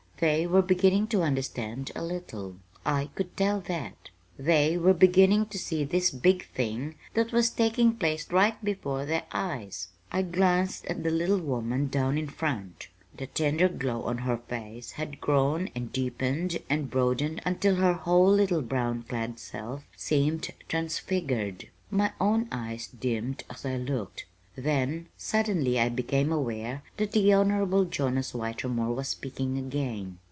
They were beginning to understand a little. I could tell that. They were beginning to see this big thing that was taking place right before their eyes. I glanced at the little woman down in front. The tender glow on her face had grown and deepened and broadened until her whole little brown clad self seemed transfigured. My own eyes dimmed as I looked. Then, suddenly I became aware that the Honorable Jonas Whitermore was speaking again.